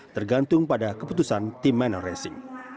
tergantung pada keputusan tim manor racing